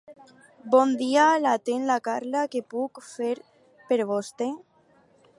Bon dia, l'atén la Carla, què puc fer per vostè?